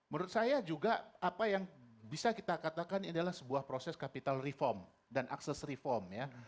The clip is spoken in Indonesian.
menurut saya juga apa yang bisa kita katakan adalah sebuah proses capital reform dan akses reform ya